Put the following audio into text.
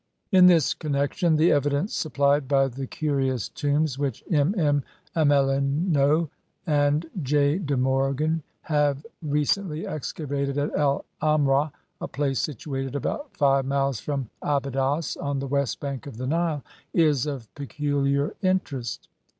In this connexion the evidence supplied by the curious tombs which MM. Amelineau and J. de Morgan have re cently excavated at El 'Amrah, a place situated about five miles from Abydos on the west bank of the Nile, is of peculiar interest.